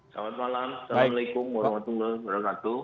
selamat malam assalamualaikum wr wb